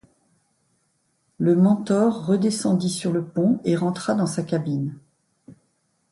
Le mentor redescendit sur le pont et rentra dans sa cabine.